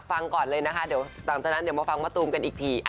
ฟังก่อนเลยนะคะเดี๋ยวหลังจากนั้นเดี๋ยวมาฟังมะตูมกันอีกที